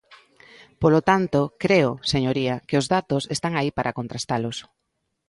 Polo tanto, creo, señoría, que os datos están aí para contrastalos.